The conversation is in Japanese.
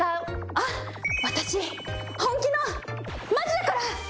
あっ私本気のマジだから！